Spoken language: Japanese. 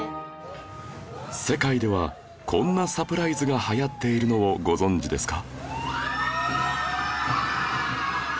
世界ではこんなサプライズが流行っているのをご存じですか？